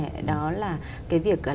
đó là cái việc làm chế biến xuất khẩu